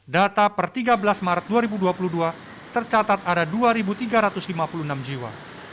data per tiga belas maret dua ribu dua puluh dua tercatat ada dua tiga ratus lima puluh enam jiwa